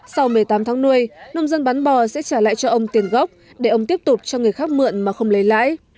sau một mươi tám tháng nuôi nông dân bán bò sẽ trả lại cho ông tiền gốc để ông tiếp tục cho người khác mượn mà không lấy lãi